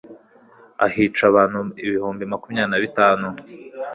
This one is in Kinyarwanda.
ahica abantu ibihumbi makumyabiri na bitanu